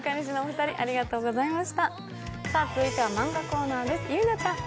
続いてはマンガコーナーです。